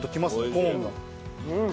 コーンが。